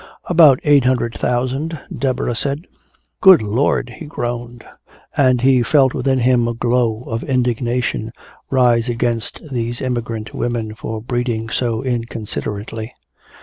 "About eight hundred thousand," Deborah said. "Good Lord!" he groaned, and he felt within him a glow of indignation rise against these immigrant women for breeding so inconsiderately.